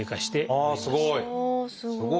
ああすごい！